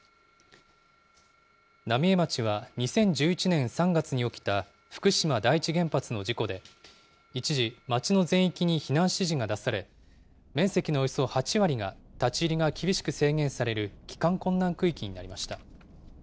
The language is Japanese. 浪江町は２０１１年３月に起きた福島第一原発の事故で、一時、町の全域に避難指示が出され、面積のおよそ８割が、立ち入りが厳しく制限される帰還困難区域になりました。